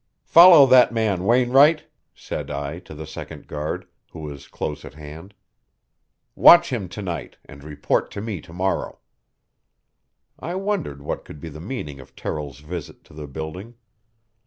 "Follow that man, Wainwright," said I to the second guard, who was close at hand. "Watch him to night and report to me to morrow." I wondered what could be the meaning of Terrill's visit to the building.